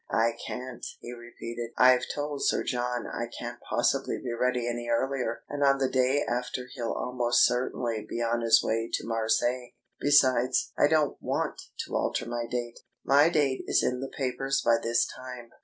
"I can't!" he repeated. "I've told Sir John I can't possibly be ready any earlier, and on the day after he'll almost certainly be on his way to Marseilles. Besides, I don't want to alter my date. My date is in the papers by this time."